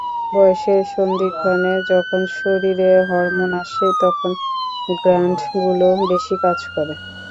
বয়সের সন্ধিক্ষণে যখন শরীরে হরমোন আসে, তখন গ্ল্যান্ডগুলো বেশি কাজ করে।